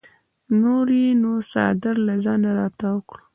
نور یې نو څادر له ځانه راتاو کړ.